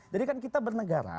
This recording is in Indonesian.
jadi kan kita bernegara